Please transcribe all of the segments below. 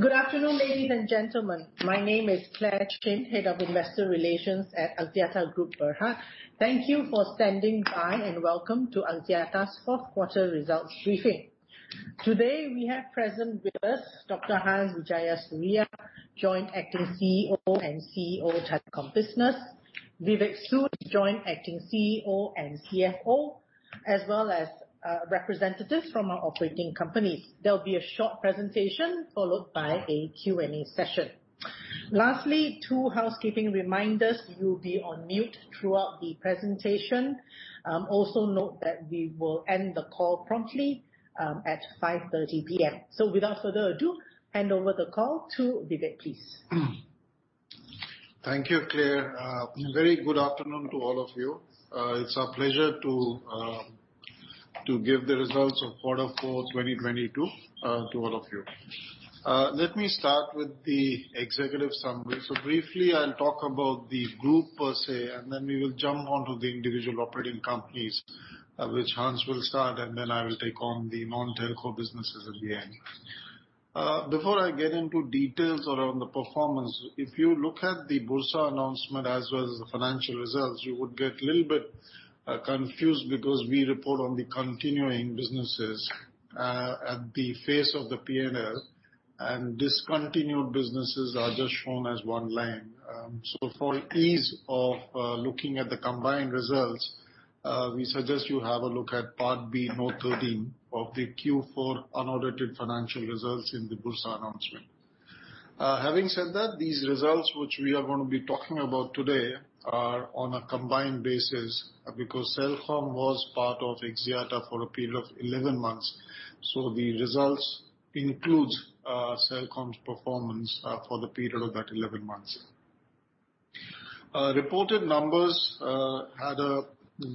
Good afternoon, ladies and gentlemen. My name is Clare Chin, Head of Investor Relations at Axiata Group Berhad. Thank you for standing by. Welcome to Axiata's fourth quarter results briefing. Today, we have present with us Dr. Hans Wijayasuriya, Joint Acting CEO and CEO Telecom Business; Vivek Sood, Joint Acting CEO and CFO, as well as representatives from our operating companies. There'll be a short presentation followed by a Q&A session. Lastly, two housekeeping reminders. You'll be on mute throughout the presentation. Also note that we will end the call promptly at 5:30 P.M. Without further ado, hand over the call to Vivek, please. Thank you, Clare. Very good afternoon to all of you. It's our pleasure to give the results of quarter four 2022 to all of you. Let me start with the executive summary. Briefly, I'll talk about the group per se, and then we will jump onto the individual operating companies, which Hans will start, and then I will take on the non-telco businesses at the end. Before I get into details around the performance, if you look at the Bursa announcement as well as the financial results, you would get a little bit confused because we report on the continuing businesses at the face of the P&L, and discontinued businesses are just shown as one line. For ease of looking at the combined results, we suggest you have a look at Part B, Note 13 of the Q4 unaudited financial results in the Bursa announcement. Having said that, these results which we are gonna be talking about today are on a combined basis because Celcom was part of Axiata for a period of 11 months. The results includes Celcom's performance for the period of that 11 months. Reported numbers had a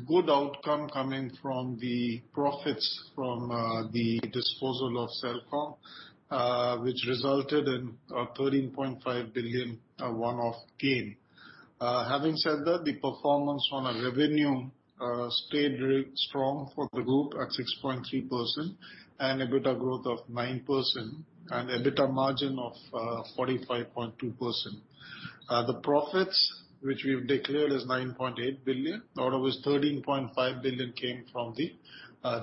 good outcome coming from the profits from the disposal of Celcom, which resulted in a 13.5 billion one-off gain. Having said that, the performance on our revenue stayed re-strong for the group at 6.3% and EBITDA growth of 9% and EBITDA margin of 45.2%. The profits which we've declared is 9.8 billion, out of which 13.5 billion came from the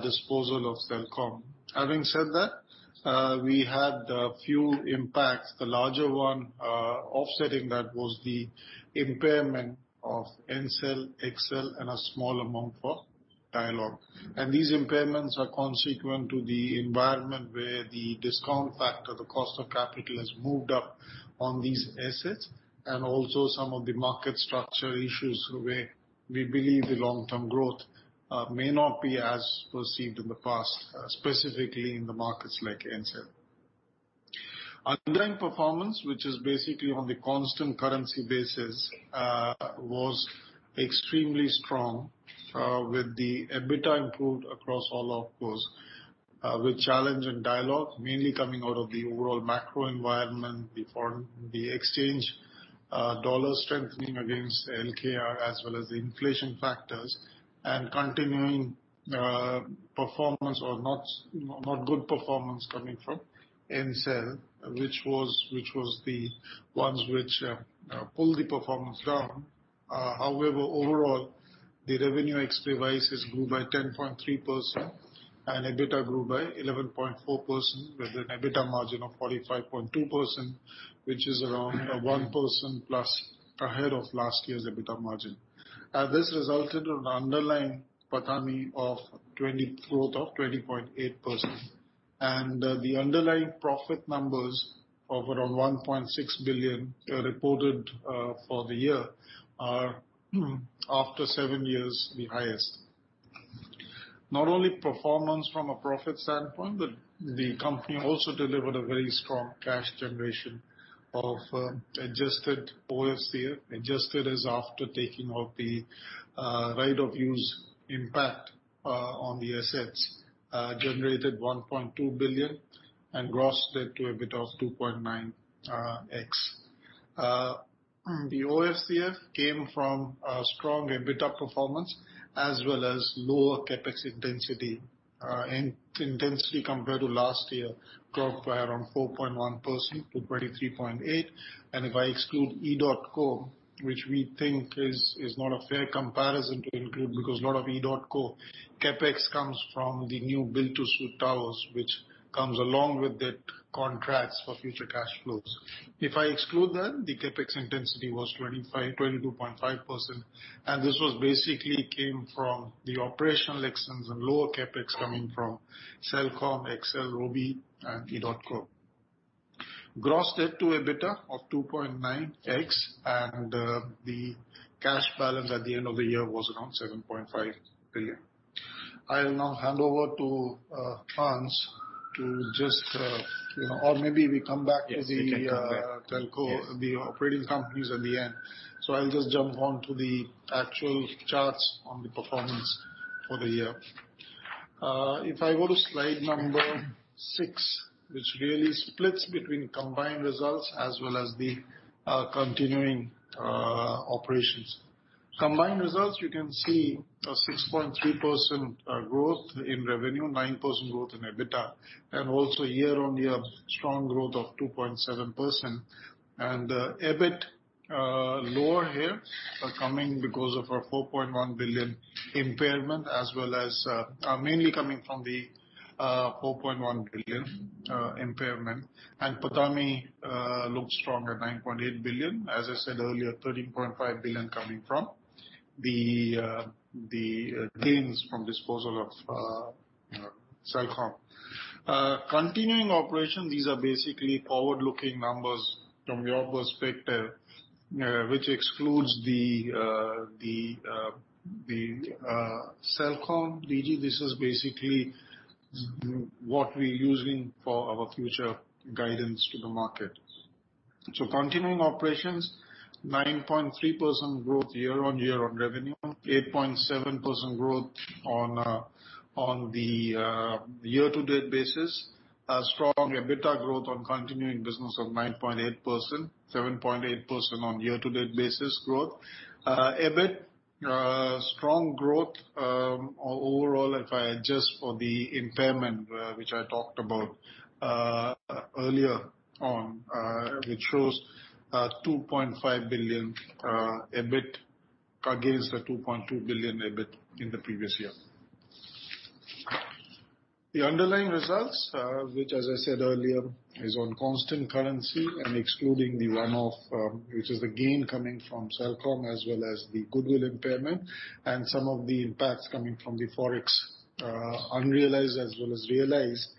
disposal of Celcom. Having said that, we had a few impacts. The larger one, offsetting that was the impairment of Ncell, XL and a small amount for Dialog. These impairments are consequent to the environment where the discount factor, the cost of capital has moved up on these assets, and also some of the market structure issues where we believe the long-term growth may not be as perceived in the past, specifically in the markets like Ncell. Underlying performance, which is basically on the constant currency basis, was extremely strong, with the EBITDA improved across all OpCos. With challenge in Dialog mainly coming out of the overall macro environment before the exchange, dollar strengthening against LKR as well as the inflation factors, and continuing performance or not good performance coming from Ncell, which was the ones which pull the performance down. However, overall, the revenue ex-device has grew by 10.3% and EBITDA grew by 11.4% with an EBITDA margin of 45.2%, which is around 1%+ ahead of last year's EBITDA margin. This resulted in an underlying PATAMI growth of 20.8%. The underlying profit numbers of around 1.6 billion reported for the year are, after seven years, the highest. Not only performance from a profit standpoint, but the company also delivered a very strong cash generation of adjusted OFCF. Adjusted is after taking out the right-of-use impact on the assets. Generated 1.2 billion and gross debt to EBITDA of 2.9x. The OFCF came from a strong EBITDA performance as well as lower CapEx intensity. Intensity compared to last year grew up by around 4.1% to 23.8%. If I exclude EDOTCO, which we think is not a fair comparison to include because a lot of EDOTCO CapEx comes from the new build-to-suit towers which comes along with the contracts for future cash flows. If I exclude that, the CapEx intensity was 25%. 22.5%. This was basically came from the operational excellence and lower CapEx coming from Celcom, XL, Robi and EDOTCO. Gross debt to EBITDA of 2.9x, and the cash balance at the end of the year was around 7.5 billion. I'll now hand over to Hans to just, you know... Or maybe we come back to Yes, we can come back. Yes. The operating companies at the end. I'll just jump onto the actual charts on the performance for the year. If I go to slide number six, which really splits between combined results as well as the continuing operations. Combined results, you can see a 6.3% growth in revenue, 9% growth in EBITDA, and also year-on-year strong growth of 2.7%. EBIT lower here are coming because of our 4.1 billion impairment as well as mainly coming from the 4.1 billion impairment. PATAMI looks strong at 9.8 billion. As I said earlier, 13.5 billion coming from the gains from disposal of Celcom. Continuing operations, these are basically forward-looking numbers from your perspective, which excludes the Celcom, Digi. This is basically what we're using for our future guidance to the market. Continuing operations, 9.3% growth year-on-year on revenue. 8.7% growth on the year-to-date basis. A strong EBITDA growth on continuing business of 9.8%, 7.8% on year-to-date basis growth. EBIT, strong growth, overall, if I adjust for the impairment, which I talked about earlier on, which shows a 2.5 billion EBIT against the 2.2 billion EBIT in the previous year. The underlying results, which as I said earlier, is on constant currency and excluding the one-off, which is the gain coming from Celcom as well as the goodwill impairment and some of the impacts coming from the Forex, unrealized as well as realized,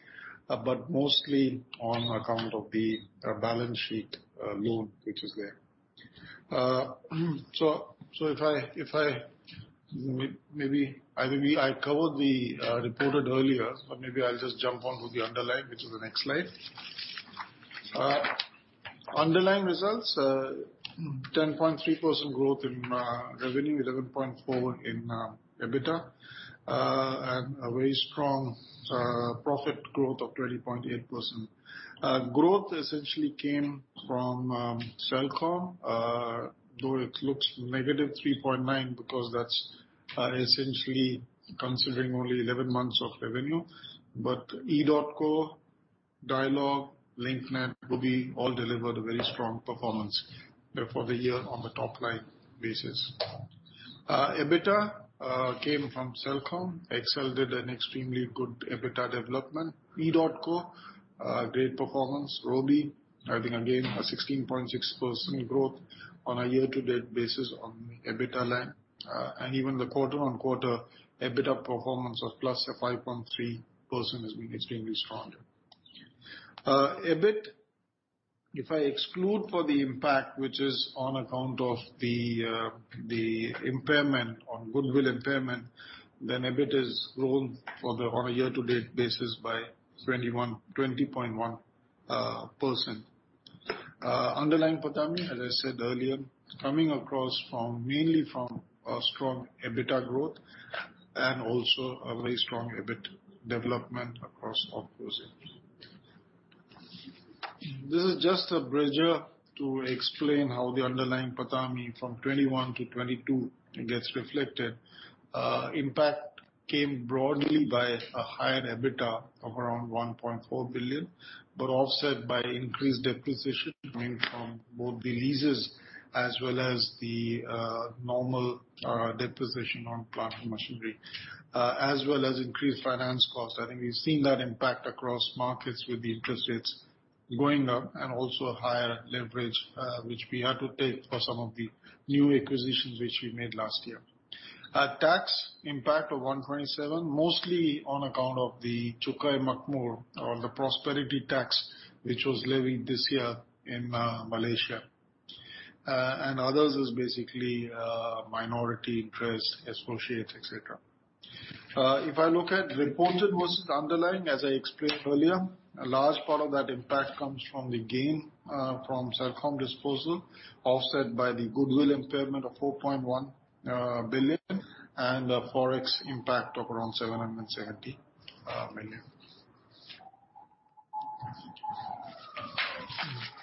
but mostly on account of the balance sheet loan, which is there. If I maybe I covered the reported earlier, but maybe I'll just jump on with the underlying, which is the next slide. Underlying results, 10.3% growth in revenue, 11.4% in EBITDA. A very strong profit growth of 20.8%. Growth essentially came from Celcom, though it looks negative 3.9%, because that's essentially considering only 11 months of revenue. EDOTCO, Dialog, Linknet, Robi all delivered a very strong performance for the year on the top line basis. EBITDA came from Celcom, XL did an extremely good EBITDA development. EDOTCO, a great performance. Robi, I think again, a 16.6% growth on a year-to-date basis on the EBITDA line. Even the quarter-on-quarter EBITDA performance of +5.3% has been extremely strong. EBIT, if I exclude for the impact, which is on account of the impairment on goodwill impairment, then EBIT is grown on a year-to-date basis by 20.1%. Underlying PATAMI, as I said earlier, coming across from, mainly from a strong EBITDA growth and also a very strong EBIT development across OpCos. This is just a bridge to explain how the underlying PATAMI from 21 to 22 gets reflected. Impact came broadly by a higher EBITDA of around 1.4 billion, but offset by increased depreciation coming from both the leases as well as the normal depreciation on plant and machinery, as well as increased finance costs. I think we've seen that impact across markets with the interest rates going up and also a higher leverage, which we had to take for some of the new acquisitions which we made last year. A tax impact of 127, mostly on account of the Cukai Makmur or the Prosperity Tax, which was levied this year in Malaysia. And others is basically minority interest associates, etc. If I look at reported versus underlying, as I explained earlier, a large part of that impact comes from the gain from Celcom disposal, offset by the goodwill impairment of 4.1 billion and a Forex impact of around 770 million. Was it inside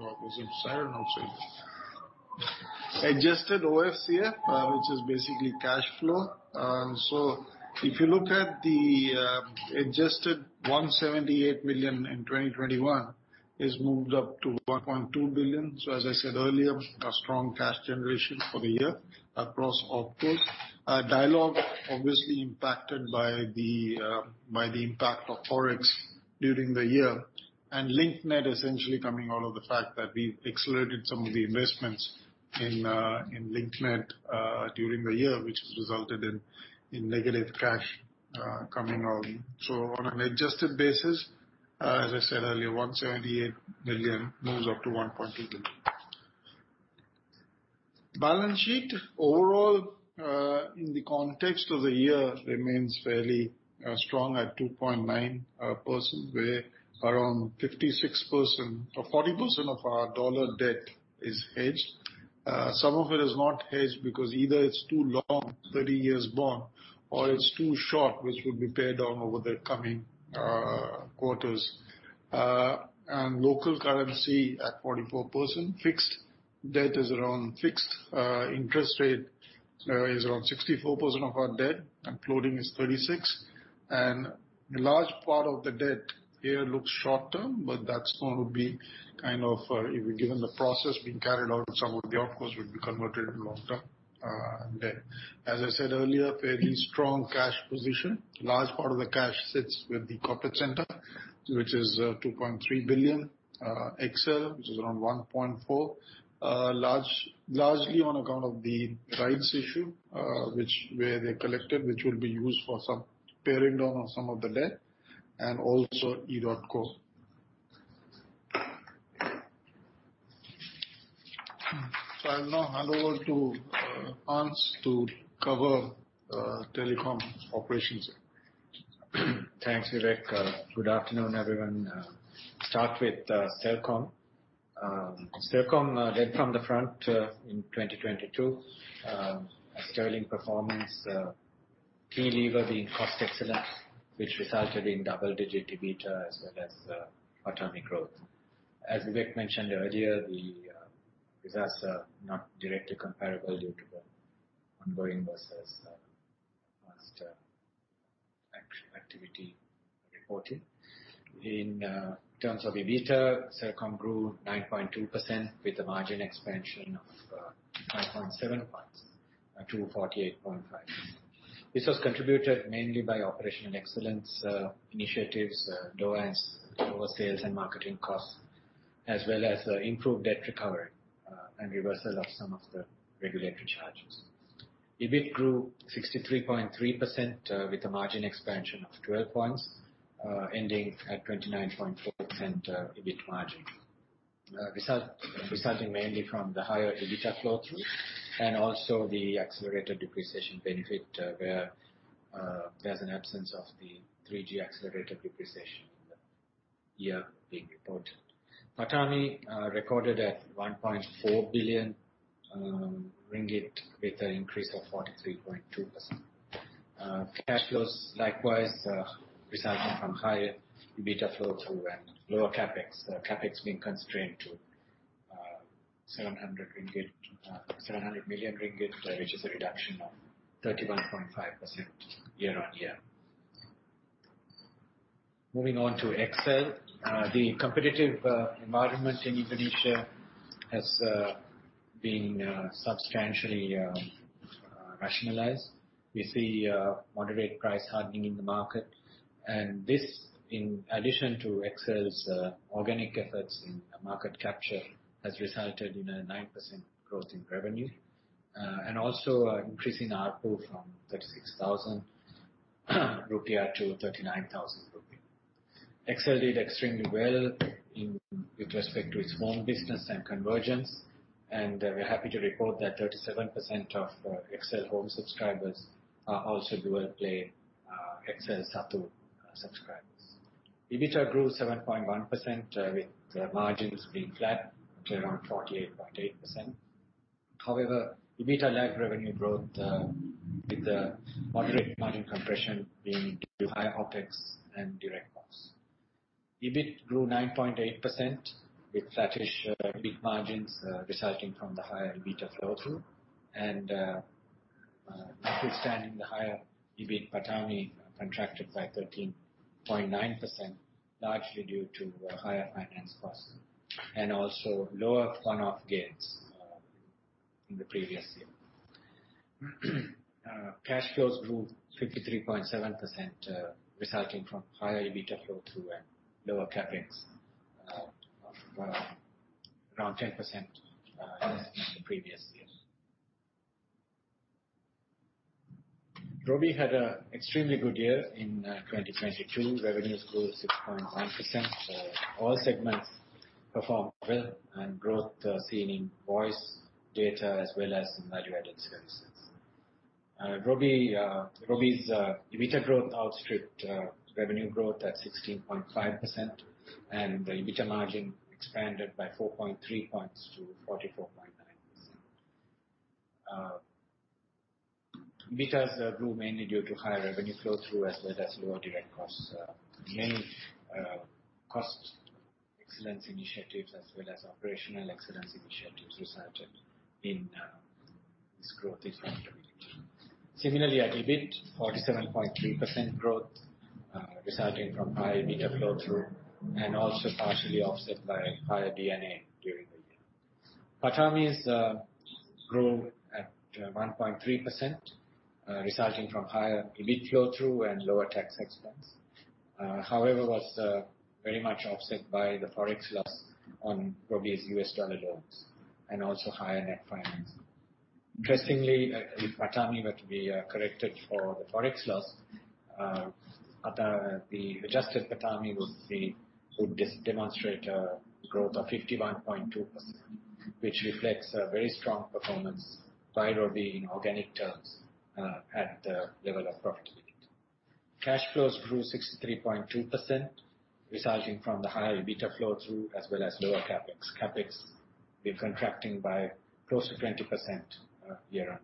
or outside? Adjusted OFCF, which is basically cash flow. If you look at the adjusted 178 million in 2021, it's moved up to 1.2 billion. As I said earlier, a strong cash generation for the year across opco. Dialog obviously impacted by the impact of Forex during the year. Linknet essentially coming out of the fact that we've accelerated some of the investments in Linknet during the year, which has resulted in negative cash coming out. On an adjusted basis, as I said earlier, 178 million moves up to 1.2 billion. Balance sheet overall, in the context of the year remains fairly strong at 2.9%, where around 56% or 40% of our dollar debt is hedged. Some of it is not hedged because either it's too long, 30 years bond, or it's too short, which will be paid down over the coming quarters. Local currency at 44% fixed. Debt is around fixed interest rate is around 64% of our debt and floating is 36%. Large part of the debt here looks short term, but that's going to be kind of given the process being carried out, some of the outputs would be converted to long-term debt. As I said earlier, fairly strong cash position. Large part of the cash sits with the corporate center, which is 2.3 billion, XL, which is around 1.4 billion. largely on account of the rights issue, which where they collected, which will be used for some pairing down on some of the debt and also EDOTCO. I'll now hand over to Hans to cover Telecom operations. Thanks, Vivek. Good afternoon, everyone. Start with telco. Telco led from the front in 2022. A sterling performance, key lever being cost excellence, which resulted in double-digit EBITDA as well as PATAMI growth. As Vivek mentioned earlier, the results are not directly comparable due to the ongoing versus last activity reporting. In terms of EBITDA, telco grew 9.2% with a margin expansion of 5.7 points to 48.5 points. This was contributed mainly by operational excellence initiatives, lower sales and marketing costs, as well as improved debt recovery, and reversal of some of the regulatory charges. EBIT grew 63.3% with a margin expansion of 12 points, ending at 29.4% EBIT margin. Resulting mainly from the higher EBITDA flow through and also the accelerated depreciation benefit, where there's an absence of the 3G accelerated depreciation in the year being reported. PATAMI recorded at 1.4 billion ringgit with an increase of 43.2%. Cash flows likewise, resulting from higher EBITDA flow through and lower CapEx. The CapEx being constrained to 700 million ringgit, which is a reduction of 31.5% year-on-year. Moving on to XL. The competitive environment in Indonesia has been substantially rationalized. We see moderate price hardening in the market, and this in addition to XL's organic efforts in market capture, has resulted in a 9% growth in revenue. Also an increase in ARPU from 36,000 rupiah to 39,000 rupiah. XL did extremely well in with respect to its home business and convergence, and we're happy to report that 37% of XL Home subscribers are also dual play XL SATU subscribers. EBITDA grew 7.1% with the margins being flat to around 48.8%. However, EBITDA lagged revenue growth with the moderate margin compression being due to high OpEx and direct costs. EBIT grew 9.8% with flattish EBIT margins resulting from the higher EBITDA flow through. Notwithstanding the higher EBIT, PATAMI contracted by 13.9%, largely due to higher finance costs and also lower one-off gains in the previous year. Cash flows grew 53.7%, resulting from higher EBITDA flow through and lower CapEx of around 10% less than the previous year. Robi had a extremely good year in 2022. Revenue grew 6.9%. All segments performed well, and growth seen in voice, data as well as in value-added services. Robi's EBITDA growth outstripped revenue growth at 16.5%, and the EBITDA margin expanded by 4.3 points to 44.9%. EBITDA's grew mainly due to higher revenue flow through as well as lower direct costs. The many cost excellence initiatives as well as operational excellence initiatives resulted in this growth in profitability. Similarly at EBIT, 47.3% growth, resulting from high EBITDA flow through and also partially offset by higher D&A during the year. PATAMI's grew at 1.3%, resulting from higher EBIT flow through and lower tax expense. Was very much offset by the Forex loss on Robi's U.S. dollar loans and also higher net financing. If PATAMI were to be corrected for the Forex loss, The adjusted PATAMI would demonstrate a growth of 51.2%, which reflects a very strong performance by Robi in organic terms, at the level of profitability. Cash flows grew 63.2%, resulting from the higher EBITDA flow through as well as lower CapEx. CapEx been contracting by close to 20% year-on-year.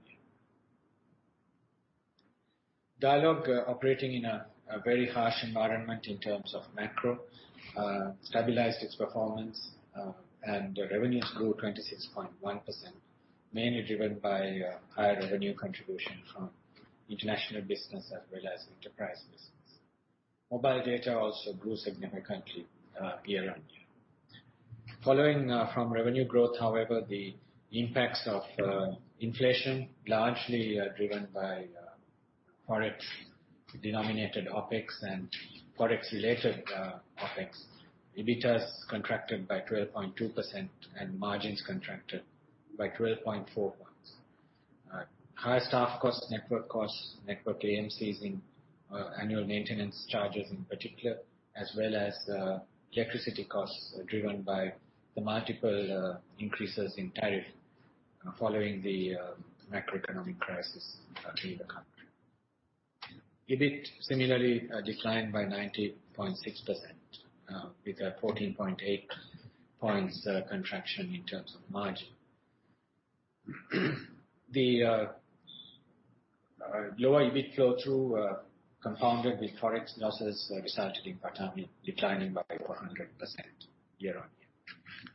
Dialog, operating in a very harsh environment in terms of macro, stabilized its performance, and revenues grew 26.1%, mainly driven by higher revenue contribution from international business as well as enterprise business. Mobile data also grew significantly year-on-year. Following from revenue growth, however, the impacts of inflation largely are driven by Forex denominated OpEx and Forex related OpEx. EBITDA contracted by 12.2% and margins contracted by 12.4 points. Higher staff costs, network costs, network AMCs in annual maintenance charges in particular, as well as electricity costs are driven by the multiple increases in tariff following the macroeconomic crisis hitting the country. EBIT similarly declined by 90.6% with a 14.8 points contraction in terms of margin. The lower EBIT flow through compounded with Forex losses resulting in bottom declining by 400% year-on-year.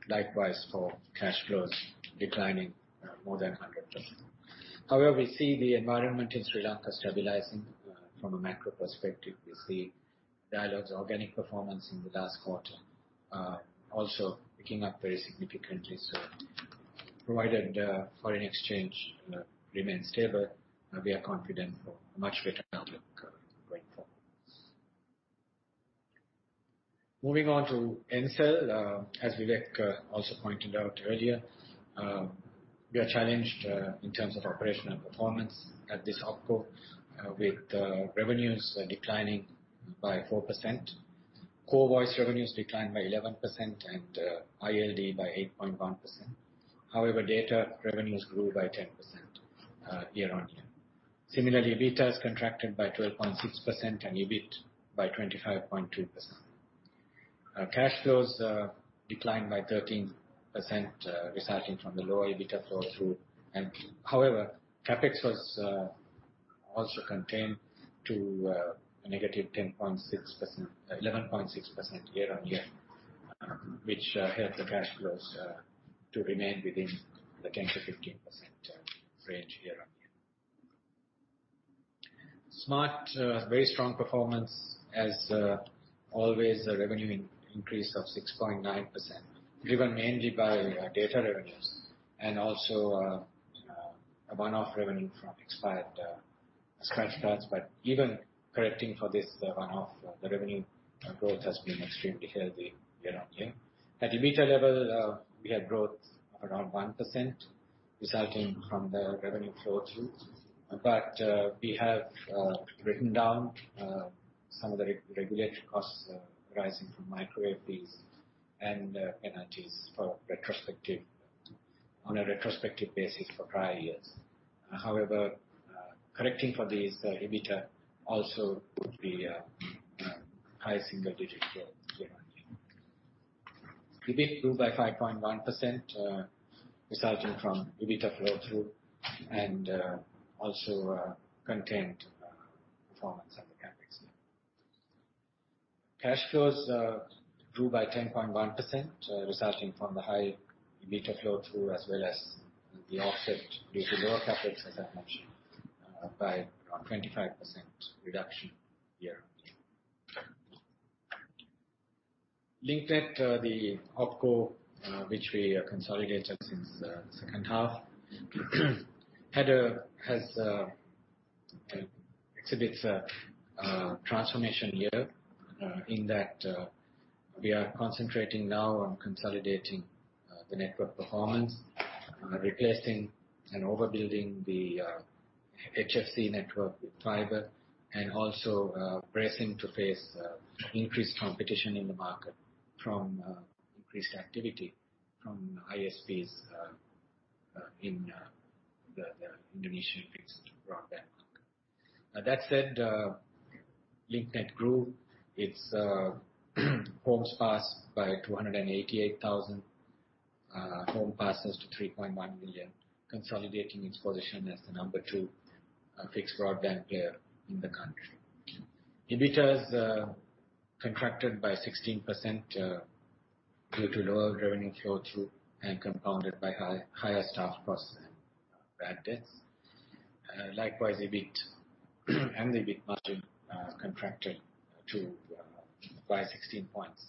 Likewise for cash flows declining more than 100%. However, we see the environment in Sri Lanka stabilizing from a macro perspective. We see Dialog's organic performance in the last quarter also picking up very significantly. Provided foreign exchange remains stable, we are confident for a much better outlook going forward. Moving on to Ncell. As Vivek also pointed out earlier, we are challenged in terms of operational performance at this OpCo with revenues declining by 4%. Core voice revenues declined by 11% and ILD by 8.1%. Data revenues grew by 10% year-on-year. EBITA has contracted by 12.6% and EBIT by 25.2%. Cash flows declined by 13% resulting from the lower EBITA flow through and... CapEx was also contained to a -10.6% .11.6% year-on-year, which helped the cash flows to remain within the 10%-15% range year-on-year. Smart, very strong performance as always a revenue in increase of 6.9%, driven mainly by data revenues and also a one-off revenue from expired scratch cards. Even correcting for this, the one-off, the revenue growth has been extremely healthy year-on-year. At EBITA level, we had growth of around 1% resulting from the revenue flow through. We have written down some of the regulatory costs rising from micro APs and energies on a retrospective basis for prior years. Correcting for these, the EBITA also would be high single digits year-on-year. EBIT grew by 5.1%, resulting from EBITA flow through and also contained performance at the CapEx level. Cash flows grew by 10.1%, resulting from the high EBITA flow through, as well as the offset due to lower CapEx, as I mentioned, by around 25% reduction year-on-year. Linknet, the OpCo, which we consolidated since the second half, exhibits a transformation year, in that, we are concentrating now on consolidating the network performance, replacing and overbuilding the HFC network with fiber and also, bracing to face increased competition in the market from increased activity from ISPs in the Indonesian fixed broadband market. That said, Linknet grew its homes passed by 288,000 home passes to 3.1 million, consolidating its position as the number two fixed broadband player in the country. EBITDAs contracted by 16% due to lower revenue flow through and compounded by higher staff costs and bad debts. Likewise, EBIT and EBIT margin contracted to by 16 points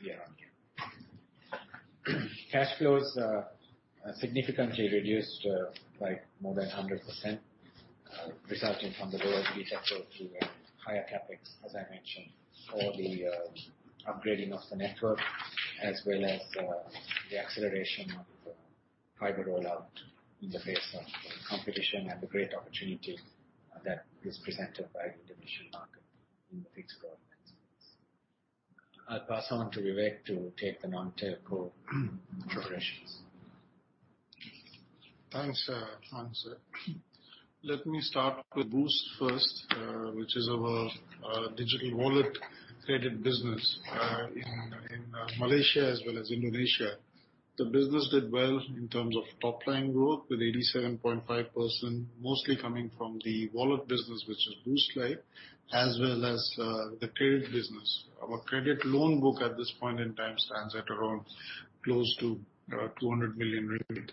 year-on-year. Cash flows, significantly reduced by more than 100%, resulting from the lower EBITA flow through and higher CapEx, as I mentioned, for the upgrading of the network as well as the acceleration of the fiber rollout in the face of competition and the great opportunity that is presented by the Indonesian market in the fixed broadband space. I'll pass on to Vivek to take the non-telco operations. Thanks, Hans. Let me start with Boost first, which is our digital wallet credit business in Malaysia as well as Indonesia. The business did well in terms of top-line growth with 87.5%, mostly coming from the wallet business, which is Boost Life, as well as the credit business. Our credit loan book at this point in time stands at around close to 200 million ringgit.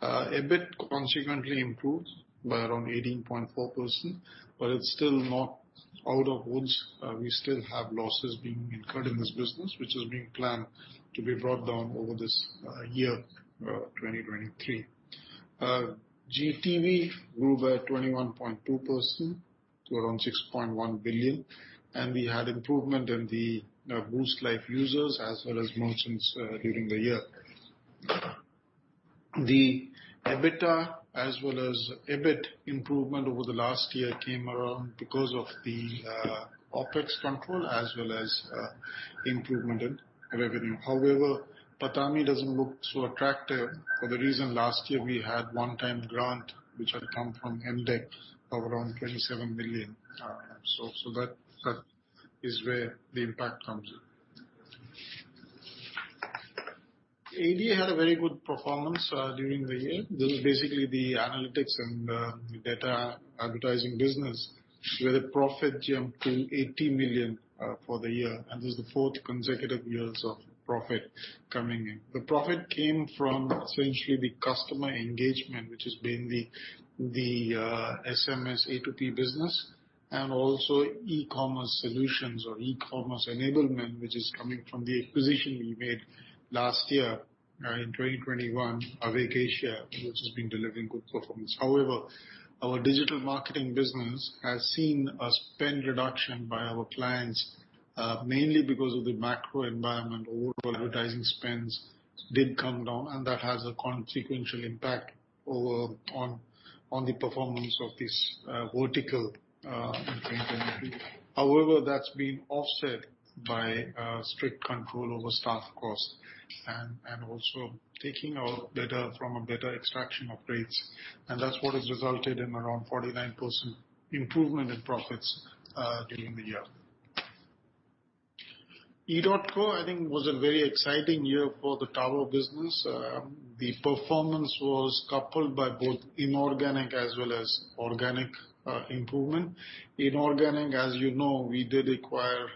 EBIT consequently improved by around 18.4%. It's still not out of woods. We still have losses being incurred in this business, which is being planned to be brought down over this year, 2023. GTV grew by 21.2% to around 6.1 billion. We had improvement in the Boost Life users as well as merchants during the year. The EBITDA as well as EBIT improvement over the last year came around because of the OpEx control as well as improvement in revenue. However, PATAMI doesn't look so attractive for the reason last year we had one-time grant, which had come from MDEC of around 27 million. That is where the impact comes in. ADA had a very good performance during the year. This is basically the analytics and data advertising business, where the profit jumped to 80 million for the year. This is the fourth consecutive years of profit coming in. The profit came from essentially the customer engagement, which has been the SMS A2P business and also e-commerce solutions or e-commerce enablement, which is coming from the acquisition we made last year in 2021, Awake Asia, which has been delivering good performance. However, our digital marketing business has seen a spend reduction by our clients, mainly because of the macro environment. Overall advertising spends did come down, that has a consequential impact on the performance of this vertical in 2023. However, that's been offset by strict control over staff costs and also taking out data from a data extraction upgrades. That's what has resulted in around 49% improvement in profits during the year. EDOTCO I think was a very exciting year for the tower business. The performance was coupled by both inorganic as well as organic improvement. Inorganic, as you know, we did acquire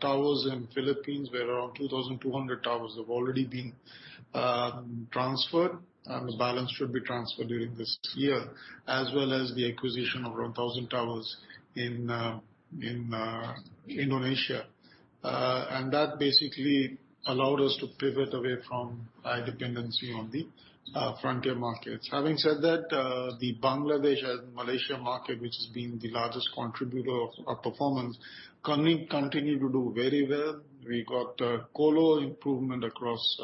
towers in Philippines, where around 2,200 towers have already been transferred, and the balance should be transferred during this year. As well as the acquisition of around 1,000 towers in Indonesia. That basically allowed us to pivot away from high dependency on the frontier markets. Having said that, the Bangladesh and Malaysia market, which has been the largest contributor of our performance, continue to do very well. We got colo improvement across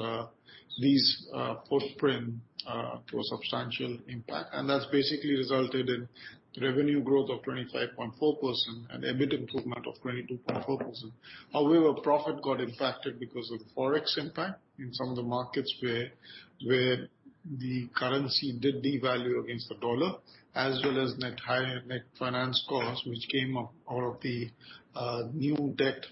these footprint to a substantial impact. That's basically resulted in revenue growth of 25.4% and EBIT improvement of 22.4%. However, profit got impacted because of forex impact in some of the markets where the currency did devalue against the dollar. As well as net finance costs, which came up out of the new debt,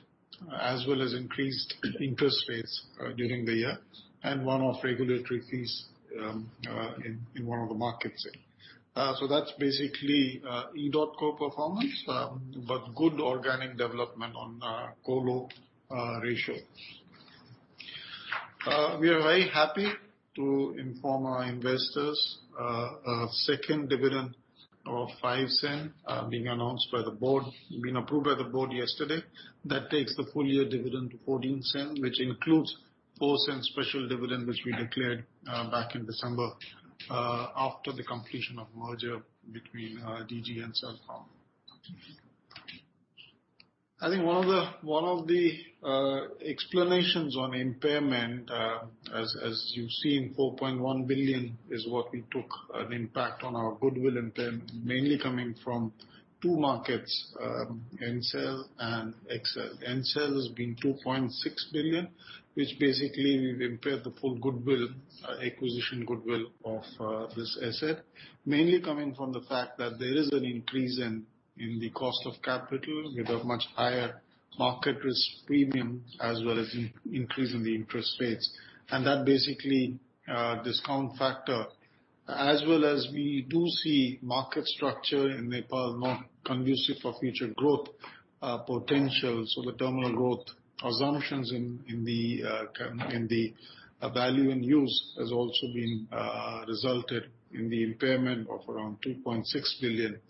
as well as increased interest rates during the year, and 1-off regulatory fees in one of the markets. That's basically EDOTCO performance, good organic development on colo ratio. We are very happy to inform our investors a second dividend of 0.05 being approved by the board yesterday. That takes the full year dividend to 0.14, which includes 0.04 special dividend, which we declared back in December after the completion of merger between Digi and Celcom. Explanations on impairment, you see in 4.1 billion, is what we took an impact on our goodwill impairment, mainly coming from two markets, Ncell and XL. Ncell has been 2.6 billion, which basically we've impaired the full goodwill, acquisition goodwill of this asset. Mainly coming from the fact that there is an increase in the cost of capital with a much higher market risk premium, as well as in increase in the interest rates. That basically a discount factor. As well as we do see market structure in Nepal not conducive for future growth potential. The terminal growth assumptions in the value and use has also been resulted in the impairment of around 2.6 billion in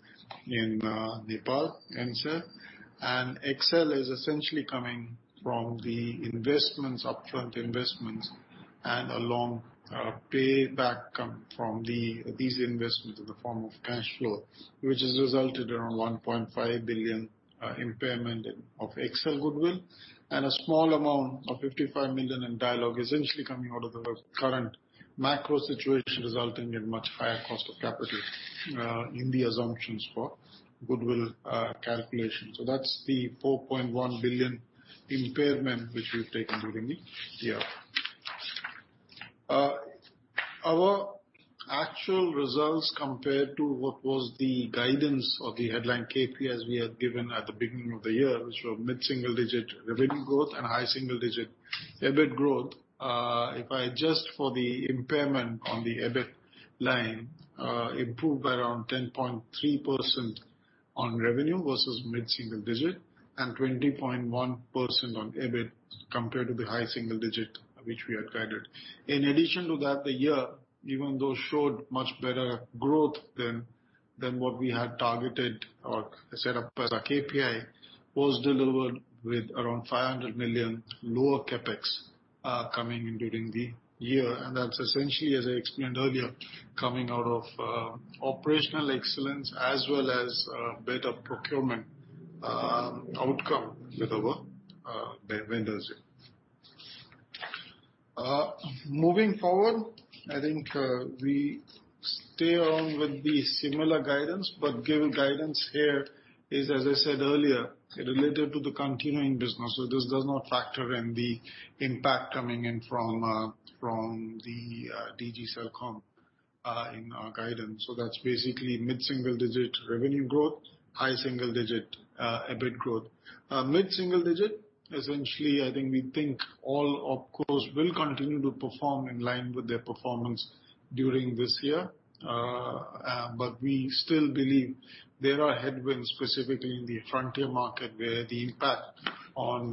Nepal, Ncell. XL is essentially coming from the investments, upfront investments and a long pay back come from these investments in the form of cash flow. Which has resulted around 1.5 billion impairment in of XL goodwill. A small amount of 55 million in Dialog essentially coming out of the current macro situation, resulting in much higher cost of capital, in the assumptions for goodwill calculation. That's the 4.1 billion impairment which we've taken during the year. Our actual results compared to what was the guidance or the headline KPIs we had given at the beginning of the year, which were mid-single digit revenue growth and high single digit EBIT growth. If I adjust for the impairment on the EBIT line, improved by around 10.3% on revenue versus mid-single digit and 20.1% on EBIT, compared to the high single digit which we had guided. In addition to that, the year, even though showed much better growth than what we had targeted or set up as our KPI, was delivered with around 500 million lower CapEx coming in during the year. That's essentially, as I explained earlier, coming out of operational excellence as well as better procurement outcome with our vendors. Moving forward, I think, we stay on with the similar guidance, but given guidance here is, as I said earlier, related to the continuing business. This does not factor in the impact coming in from from the Digi Celcom in our guidance. That's basically mid-single digit revenue growth, high single digit EBIT growth. Mid-single digit, essentially I think we think all OpCos will continue to perform in line with their performance during this year. We still believe there are headwinds, specifically in the frontier market, where the impact on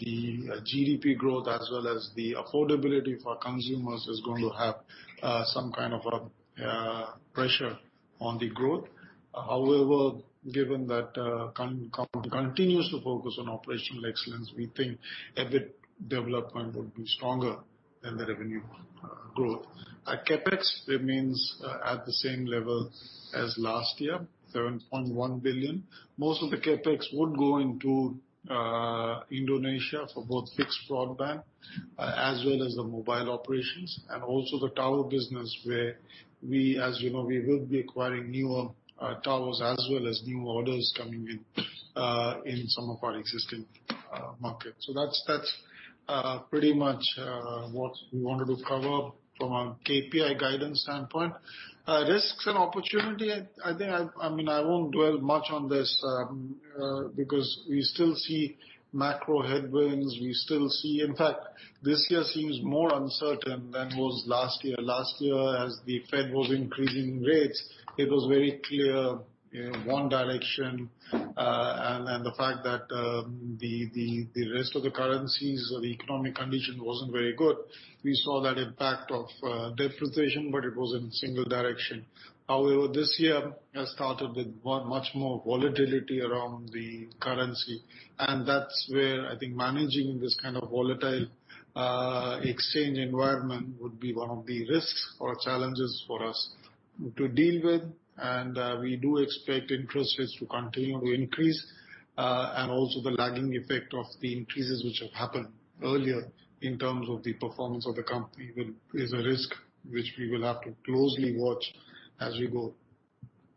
the GDP growth as well as the affordability for consumers is going to have some kind of a pressure on the growth. Given that continues to focus on operational excellence, we think EBIT development would be stronger than the revenue growth. Our CapEx remains at the same level as last year, 7.1 billion. Most of the CapEx would go into Indonesia for both fixed broadband as well as the mobile operations, and also the tower business where we, as you know, we will be acquiring new towers as well as new orders coming in in some of our existing markets. That's, that's pretty much what we wanted to cover from a KPI guidance standpoint. Risks and opportunity. I mean, I won't dwell much on this because we still see macro headwinds. We still see. In fact, this year seems more uncertain than it was last year. Last year, as the Fed was increasing rates, it was very clear, you know, one direction. The fact that the rest of the currencies or the economic condition wasn't very good. We saw that impact of depreciation, but it was in single direction. However, this year has started with much more volatility around the currency, and that's where I think managing this kind of volatile exchange environment would be one of the risks or challenges for us to deal with. We do expect interest rates to continue to increase, and also the lagging effect of the increases which have happened earlier in terms of the performance of the company is a risk which we will have to closely watch as we go.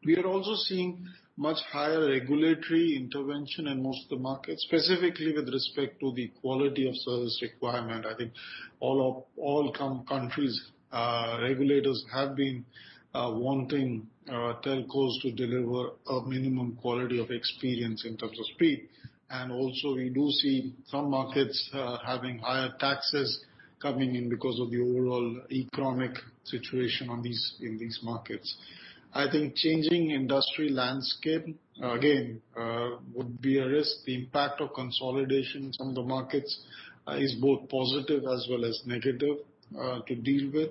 We are also seeing much higher regulatory intervention in most of the markets, specifically with respect to the quality of service requirement. I think all countries, regulators have been wanting telcos to deliver a minimum quality of experience in terms of speed. Also we do see some markets having higher taxes coming in because of the overall economic situation in these markets. I think changing industry landscape, again, would be a risk. The impact of consolidation in some of the markets is both positive as well as negative to deal with.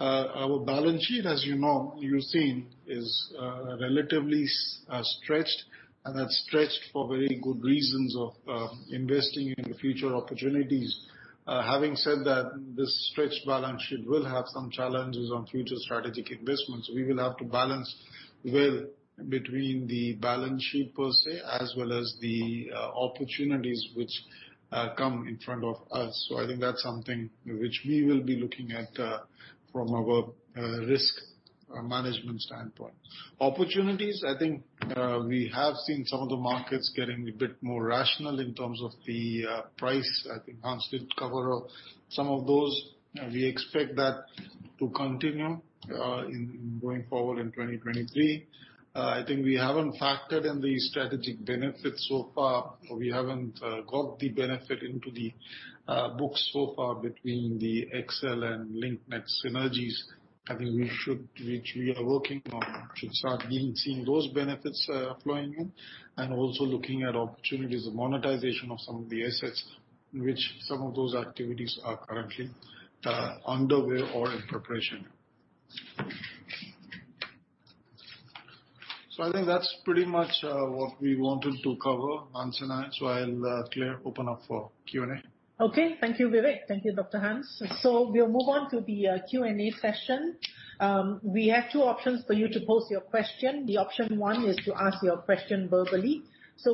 Our balance sheet, as you know, you've seen, is relatively stretched, and that's stretched for very good reasons of investing in future opportunities. Having said that, this stretched balance sheet will have some challenges on future strategic investments. We will have to balance well between the balance sheet per se, as well as the opportunities which come in front of us. I think that's something which we will be looking at from a risk management standpoint. Opportunities, I think, we have seen some of the markets getting a bit more rational in terms of the price. I think Hans did cover some of those. We expect that to continue in going forward in 2023. I think we haven't factored in the strategic benefits so far. We haven't got the benefit into the books so far between the XL and Linknet synergies. I think we should, which we are working on, should start even seeing those benefits flowing in. Also looking at opportunities of monetization of some of the assets in which some of those activities are currently underway or in preparation. I think that's pretty much what we wanted to cover, Hans and I. I'll, Clare, open up for Q&A. Okay. Thank you, Vivek. Thank you, Dr. Hans. We'll move on to the Q&A session. We have two options for you to pose your question. The option one is to ask your question verbally.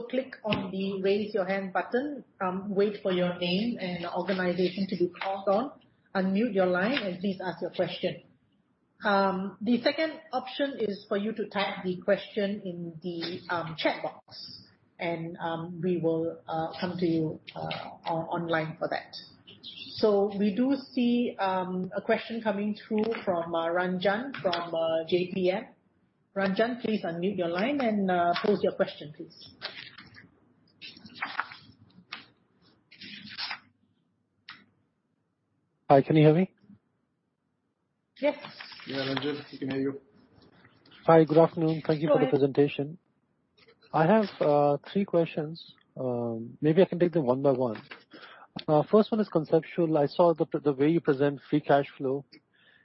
Click on the Raise Your Hand button, wait for your name and organization to be called on. Unmute your line and please ask your question. The second option is for you to type the question in the chat box and we will come to you online for that. We do see a question coming through from Ranjan from JPM. Ranjan, please unmute your line and pose your question, please. Hi, can you hear me? Yes. Yeah, Ranjan, we can hear you. Hi. Good afternoon. Thank you for the presentation. I have three questions. Maybe I can take them one by one. First one is conceptual. I saw the way you present free cash flow.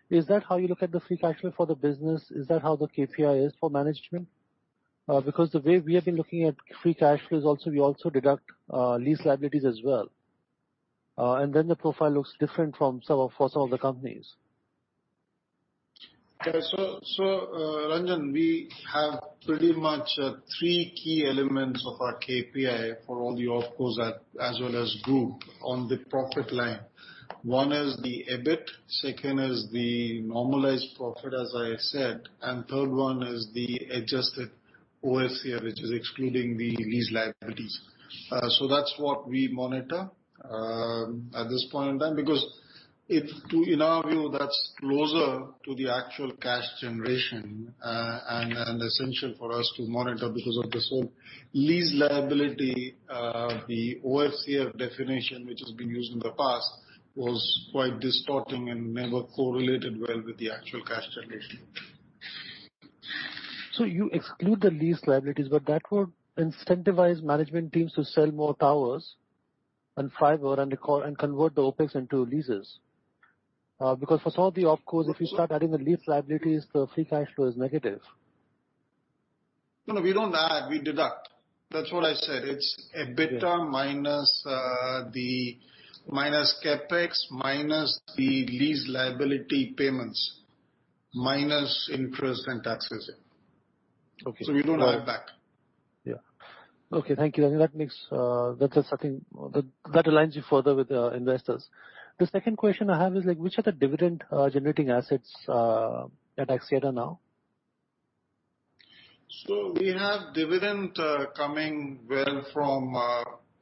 Is that how you look at the free cash flow for the business? Is that how the KPI is for management? The way we have been looking at free cash flows also, we also deduct lease liabilities as well. The profile looks different for some of the companies. Okay. Ranjan, we have pretty much three key elements of our KPI for all the OpCos as well as group on the profit line. One is the EBIT. Second is the normalized profit, as I said. Third one is the adjusted OFCF, which is excluding the lease liabilities. That's what we monitor at this point in time, because it's you know, that's closer to the actual cash generation and essential for us to monitor because of this whole lease liability, the OFCF definition, which has been used in the past, was quite distorting and never correlated well with the actual cash generation. You exclude the lease liabilities, but that would incentivize management teams to sell more towers and fiber and convert the OpEx into leases. Because for some of the OpCos, if you start adding the lease liabilities, the free cash flow is negative. No, no, we don't add, we deduct. That's what I said. Yeah. EBITDA minus CapEx, minus the lease liability payments, minus interest and taxes. Okay. We don't add back. Yeah. Okay. Thank you. I think that makes, that is something. That aligns you further with the investors. The second question I have is like, which are the dividend generating assets at Axiata now? We have dividend coming well from.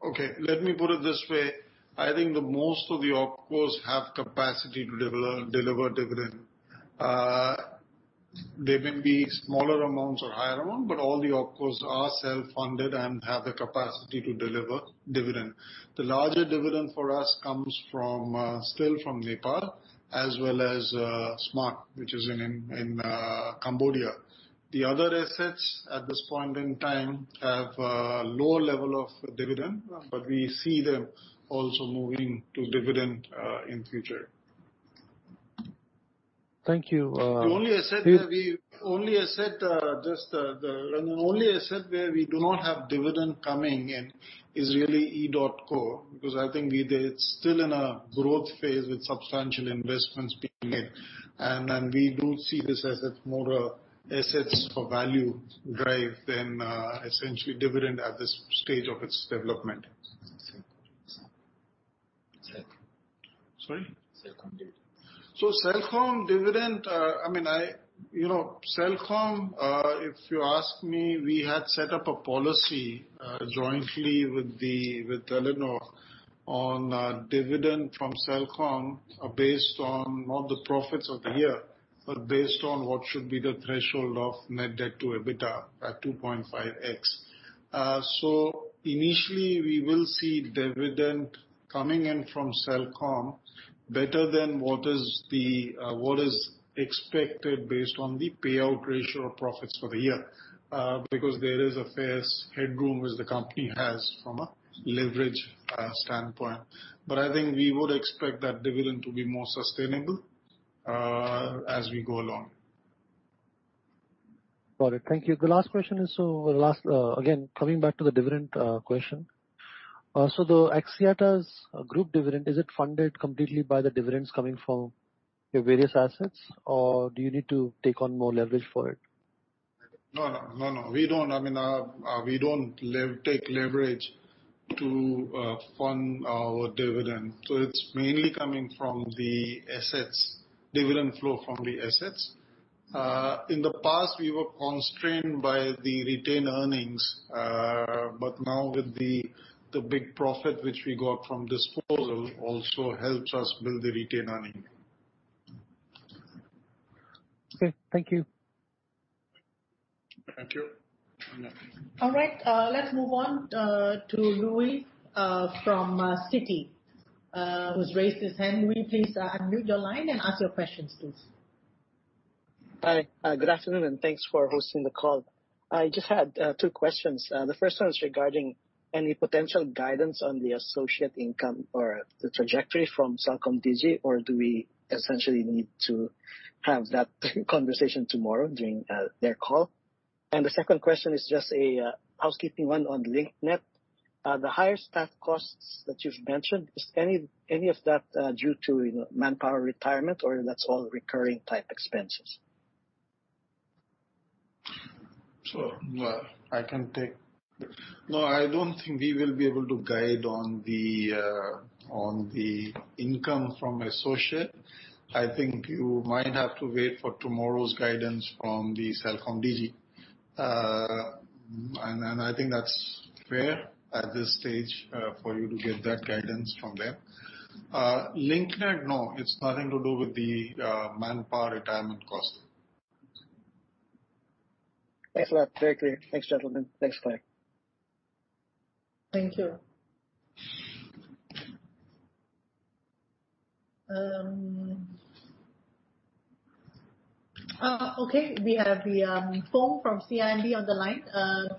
Okay, let me put it this way. I think most of the OpCos have capacity to deliver dividend. They may be smaller amounts or higher amount, but all the OpCos are self-funded and have the capacity to deliver dividend. The larger dividend for us comes from still from Nepal as well as Smart, which is in Cambodia. The other assets at this point in time have lower level of dividend. Right. We see them also moving to dividend, in future. Thank you. The only asset where we do not have dividend coming in is really EDOTCO, because I think they're still in a growth phase with substantial investments being made. We do see this asset more a assets for value drive than essentially dividend at this stage of its development. Celcom. Sorry? Celcom dividend. Celcom dividend, I mean, you know, Celcom, if you ask me, we had set up a policy jointly with Telenor on dividend from Celcom based on not the profits of the year, but based on what should be the threshold of net debt to EBITDA at 2.5x. Initially we will see dividend coming in from Celcom better than what is the what is expected based on the payout ratio of profits for the year because there is a fair headroom as the company has from a leverage standpoint. I think we would expect that dividend to be more sustainable as we go along. Got it. Thank you. The last question is... The last, again, coming back to the dividend question. The Axiata's group dividend, is it funded completely by the dividends coming from your various assets or do you need to take on more leverage for it? No, no. No, no. We don't, I mean, we don't take leverage to fund our dividend. It's mainly coming from the assets, dividend flow from the assets. In the past, we were constrained by the retained earnings, now with the big profit which we got from disposal also helps us build the retained earnings. Okay. Thank you. Thank you. All right. let's move on to Luis from Citi, who's raised his hand. Louis, please unmute your line and ask your questions, please. Hi. good afternoon and thanks for hosting the call. I just had two questions. The first one is regarding any potential guidance on the associate income or the trajectory from CelcomDigi or do we essentially need to have that conversation tomorrow during their call? The second question is just a housekeeping one on Linknet. The higher staff costs that you've mentioned, is any of that due to, you know, manpower retirement or that's all recurring type expenses? Sure. I don't think we will be able to guide on the income from associate. I think you might have to wait for tomorrow's guidance from the CelcomDigi. I think that's fair at this stage for you to get that guidance from them. Linknet, no, it's nothing to do with the manpower retirement cost. Thanks a lot. Very clear. Thanks, gentlemen. Thanks, Clare. Thank you. Okay, we have Foong from CIMB on the line.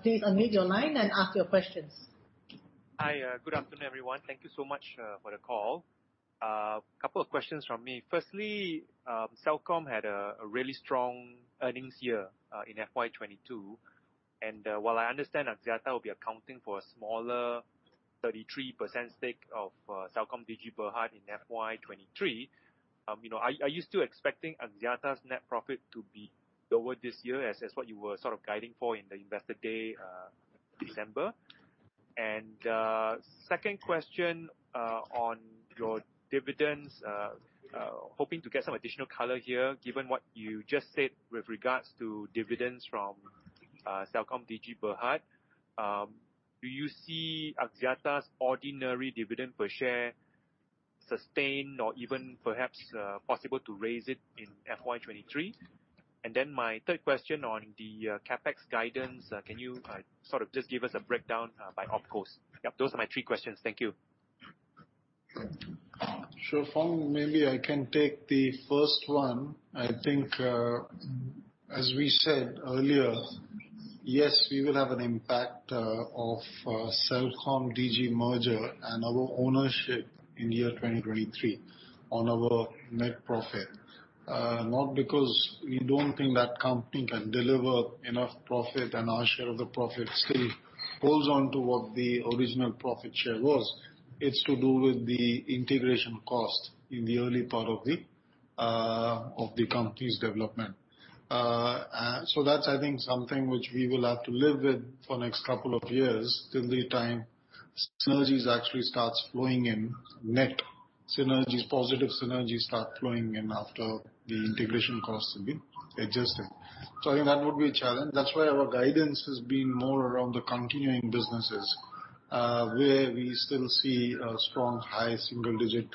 Please unmute your line and ask your questions. Hi. Good afternoon, everyone. Thank you so much for the call. Couple of questions from me. Firstly, Celcom had a really strong earnings year in FY 2022, while I understand Axiata will be accounting for a smaller 33% stake of CelcomDigi Berhad in FY 2023, you know, are you still expecting Axiata's net profit to be lower this year as what you were sort of guiding for in the Investor Day, December? Second question on your dividends. Hoping to get some additional color here, given what you just said with regards to dividends from CelcomDigi Berhad. Do you see Axiata's ordinary dividend per share sustained or even perhaps possible to raise it in FY 2023? My third question on the CapEx guidance. Can you sort of just give us a breakdown by OpCos? Yep, those are my three questions. Thank you. Sure, Foong. Maybe I can take the first one. I think, as we said earlier, yes, we will have an impact of CelcomDigi merger and our ownership in year 2023 on our net profit. Not because we don't think that company can deliver enough profit and our share of the profit still holds on to what the original profit share was. It's to do with the integration cost in the early part of the company's development. That's, I think, something which we will have to live with for next couple of years 'til the time synergies actually starts flowing in. Net synergies, positive synergies start flowing in after the integration costs have been adjusted. I think that would be a challenge. That's why our guidance has been more around the continuing businesses, where we still see a strong high single-digit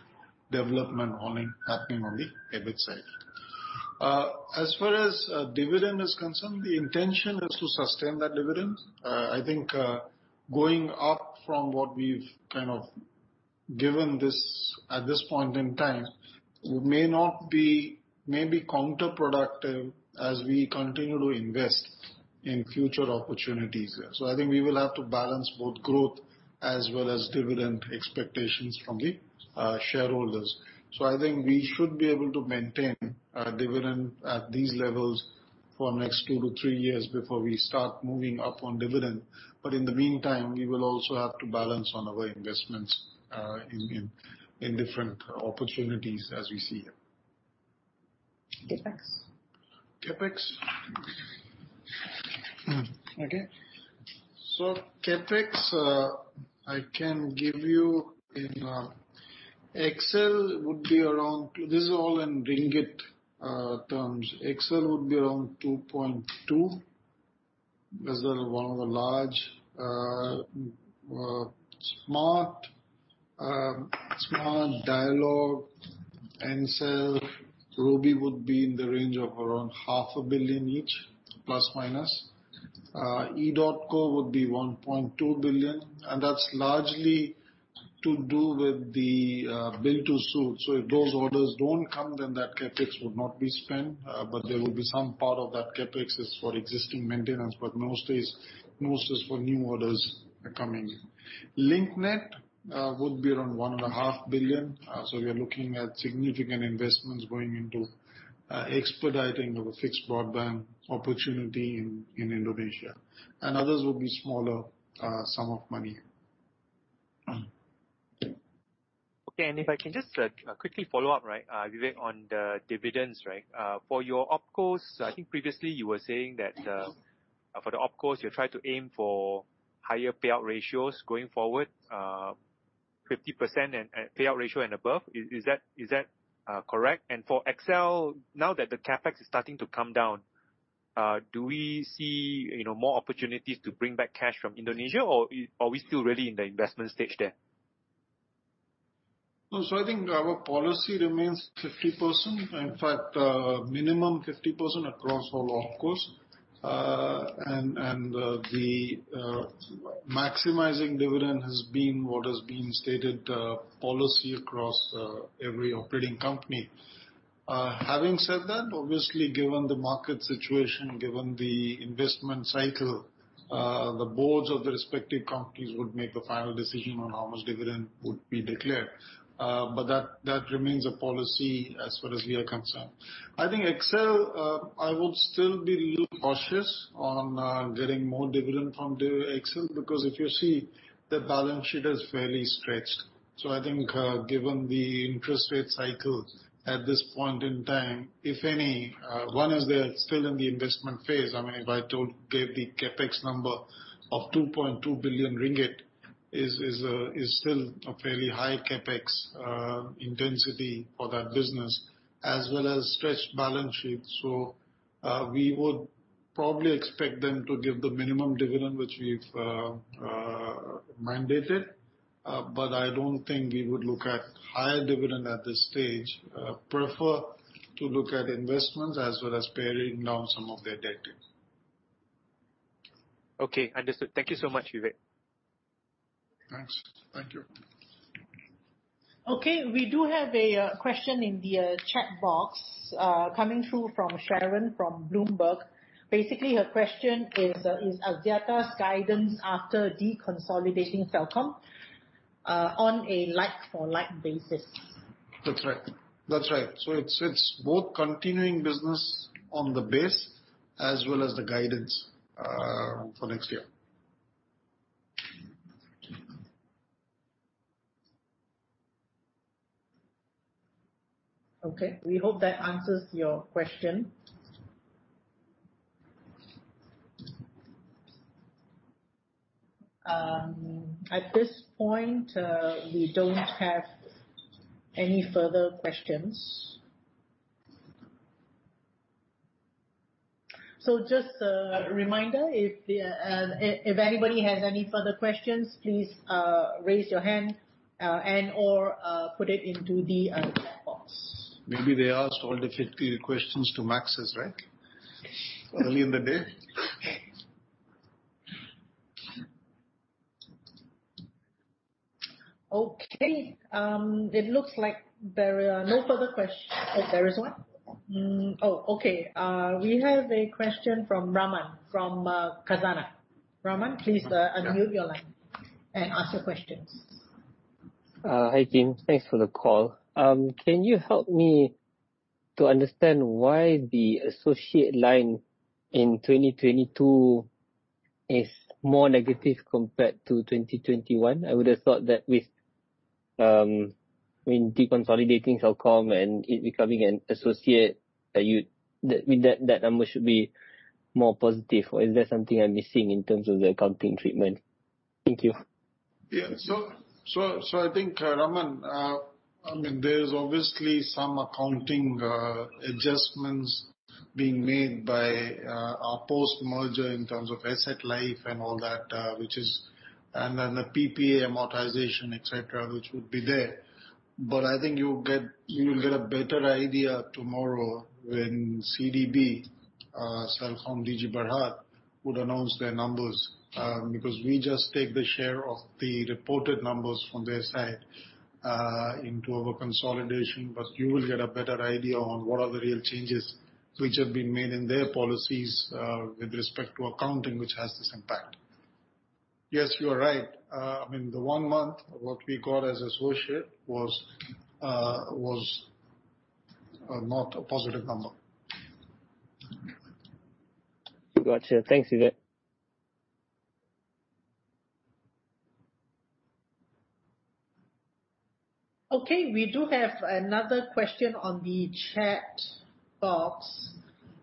development on it happening on the EBIT side. As far as dividend is concerned, the intention is to sustain that dividend. I think going up from what we've kind of given this at this point in time may be counterproductive as we continue to invest in future opportunities. I think we will have to balance both growth as well as dividend expectations from the shareholders. I think we should be able to maintain our dividend at these levels for next two to three years before we start moving up on dividend. In the meantime, we will also have to balance on our investments in different opportunities as we see here. CapEx. CapEx. Okay. CapEx, I can give you in XL would be around. This is all in ringgit terms. XL would be around 2.2 billion. Those are one of the large, Smart, Dialog, Ncell, Robi would be in the range of around half a billion MYR each, plus minus. EDOTCO would be 1.2 billion, and that's largely to do with the build-to-suit. If those orders don't come, then that CapEx would not be spent. There will be some part of that CapEx is for existing maintenance, but mostly is for new orders coming in. Linknet would be around one and a 0.5 billion. We are looking at significant investments going into expediting our fixed broadband opportunity in Indonesia. Others will be smaller sum of money. If I can just quickly follow up, right, Vivek, on the dividends, right. For your OpCos, I think previously you were saying that, for the OpCos you try to aim for higher payout ratios going forward, 50% and payout ratio and above. Is that correct? For XL, now that the CapEx is starting to come down, do we see, you know, more opportunities to bring back cash from Indonesia or are we still really in the investment stage there? I think our policy remains 50%. In fact, minimum 50% across all OpCos. And the maximizing dividend has been what has been stated policy across every operating company. Having said that, obviously, given the market situation, given the investment cycle, the boards of the respective companies would make a final decision on how much dividend would be declared. But that remains a policy as far as we are concerned. I think XL, I would still be a little cautious on getting more dividend from the XL, because if you see, the balance sheet is fairly stretched. I think, given the interest rate cycle at this point in time, if any, one is they're still in the investment phase. I mean, if I gave the CapEx number of 2.2 billion ringgit. Is still a very high CapEx intensity for that business, as well as stretched balance sheets. We would probably expect them to give the minimum dividend which we've mandated. I don't think we would look at higher dividend at this stage. Prefer to look at investments as well as paring down some of their debt. Okay, understood. Thank you so much, Vivek. Thanks. Thank you. Okay, we do have a question in the chat box, coming through from Sharon from Bloomberg. Basically, her question is Axiata's guidance after deconsolidating Celcom, on a like-for-like basis? That's right. That's right. It's both continuing business on the base as well as the guidance for next year. Okay, we hope that answers your question. At this point, we don't have any further questions. Just a reminder, if anybody has any further questions, please raise your hand and/or put it into the chat box. Maybe they asked all the 50 questions to Maxis, right? Early in the day. Okay. It looks like there are no further. Oh, there is one? Okay. We have a question from Raman from Khazanah. Raman, please unmute your line and ask your questions. Hi, team. Thanks for the call. Can you help me to understand why the associate line in 2022 is more negative compared to 2021? I would have thought that with, when deconsolidating Celcom and it becoming an associate, that number should be more positive, or is there something I'm missing in terms of the accounting treatment? Thank you. I think, Raman, I mean, there's obviously some accounting adjustments being made by our post-merger in terms of asset life and all that, which is... And then the PPA amortization, et cetera, which would be there. I think you'll get, you'll get a better idea tomorrow when CDB, CelcomDigi Berhad, would announce their numbers. Because we just take the share of the reported numbers from their side into our consolidation. You will get a better idea on what are the real changes which have been made in their policies with respect to accounting, which has this impact. Yes, you are right. I mean, the one month, what we got as associate was, not a positive number. Gotcha. Thanks, Vivek. Okay, we do have another question on the chat box.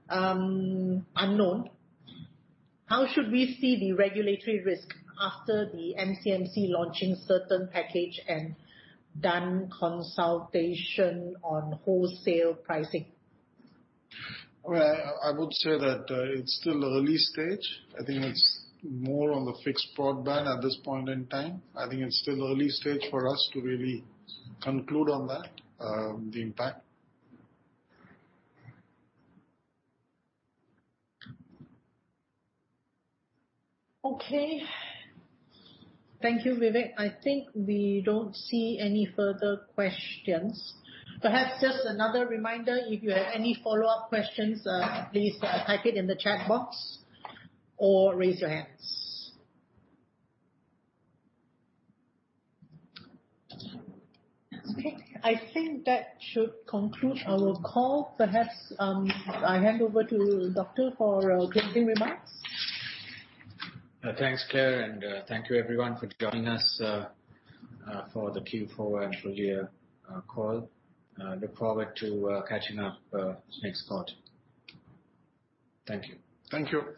unknown. How should we see the regulatory risk after the MCMC launching certain package and done consultation on wholesale pricing? Well, I would say that it's still early stage. I think it's more on the fixed broadband at this point in time. I think it's still early stage for us to really conclude on that, the impact. Okay. Thank you, Vivek. I think we don't see any further questions. Perhaps just another reminder, if you have any follow-up questions, please type it in the chat box or raise your hands. Okay, I think that should conclude our call. Perhaps, I hand over to Doctor for closing remarks. Thanks, Clare, and, thank you everyone for joining us, for the Q4 annual year, call. look forward to, catching up, next quarter. Thank you. Thank you.